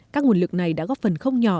các nguồn lực này đã góp phần không nhỏ